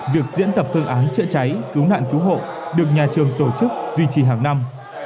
việc diễn tập phương án chữa cháy cứu nạn cứu hộ được nhà trường tổ chức duy trì hàng năm